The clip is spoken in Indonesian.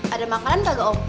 ada makanan gak om